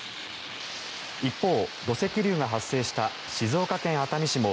一方、土石流が発生した静岡県熱海市も